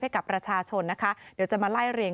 ให้กับประชาชนนะคะเดี๋ยวจะมาไล่เรียง